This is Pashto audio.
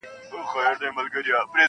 روانه ده او د دې ویرژلي اولس -